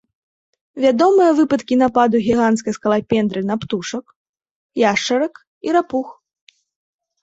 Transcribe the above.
Вядомыя выпадкі нападу гіганцкай скалапендры на птушак, яшчарак і рапух.